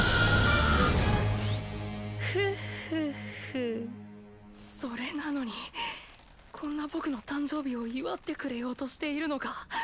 フッフッフッそれなのにこんな僕の誕生日を祝ってくれようとしているのか。